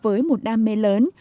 với một đam mê lớn